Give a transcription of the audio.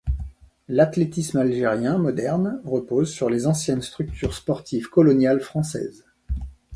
L'athlétisme algérien moderne repose sur les anciennes structures sportives coloniales françaises.